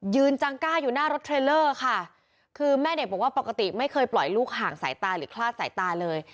จังกล้าอยู่หน้ารถเทรลเลอร์ค่ะคือแม่เด็กบอกว่าปกติไม่เคยปล่อยลูกห่างสายตาหรือคลาดสายตาเลย